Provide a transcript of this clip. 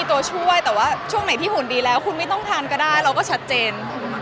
ตัวช่วยแต่ว่าช่วงไหนที่หุ่นดีแล้วคุณไม่ต้องทานก็ได้เราก็ชัดเจน